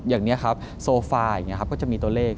อย่างนี้ครับโซฟาอย่างนี้ครับก็จะมีตัวเลข